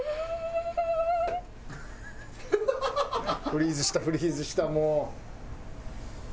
フリーズしたフリーズしたもう。